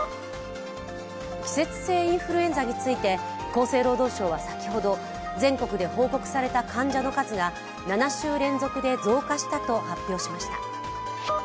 季節性インフルエンザについて、厚生労働省は先ほど全国で報告された患者の数が７週連続で増加したと発表しました。